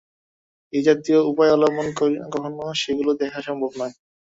এই-জাতীয় উপায় অবলম্বনে কখনও সেগুলি দেখা সম্ভব নয়।